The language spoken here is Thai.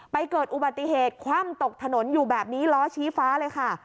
เกิดอุบัติเหตุคว่ำตกถนนอยู่แบบนี้ล้อชี้ฟ้าเลยค่ะ